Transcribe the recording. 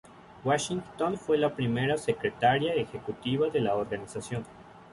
Washington fue la primera secretaria ejecutiva de la organización.